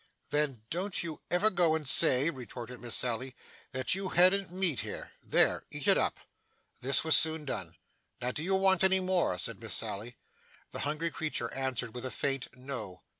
'Then don't you ever go and say,' retorted Miss Sally, 'that you hadn't meat here. There, eat it up.' This was soon done. 'Now, do you want any more?' said Miss Sally. The hungry creature answered with a faint 'No.